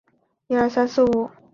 达讷和四风人口变化图示